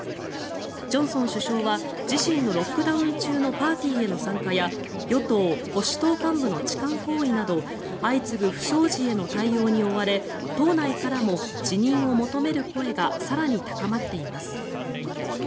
ジョンソン首相は自身のロックダウン中のパーティーへの参加や与党・保守党幹部の痴漢行為など相次ぐ不祥事への対応に追われ党内からも辞任を求める声が更に高まっています。